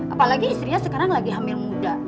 apalagi istrinya sekarang lagi hamil muda